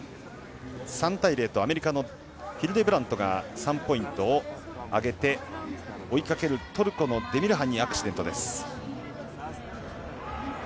３対０とアメリカのヒルデブラントが３ポイントを挙げて追いかけるトルコのデミルハンにアクシデントです。